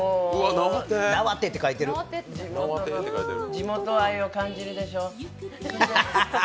地元愛を感じるでしょ。